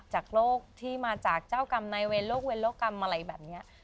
จากโรคที่มาจากเจ้ากรรมนายเวรโลกเวรโลกกรรมอะไรแบบนี้